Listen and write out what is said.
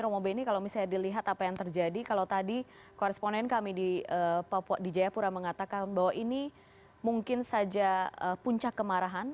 romo beni kalau misalnya dilihat apa yang terjadi kalau tadi koresponen kami di papua di jayapura mengatakan bahwa ini mungkin saja puncak kemarahan